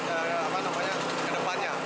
apa namanya ke depannya